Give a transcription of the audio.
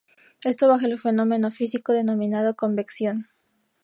Esto bajo el fenómeno físico denominado convección.